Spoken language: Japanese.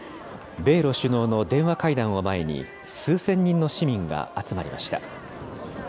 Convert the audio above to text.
米ロ首脳の電話会談を前に、数千人の市民が集まりました。